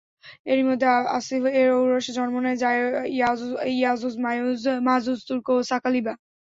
এদের মধ্যে আফিছ-এর ঔরসে জন্ম নেয় য়াজুজ-মাজুজ, তুর্ক ও সাকালিবা।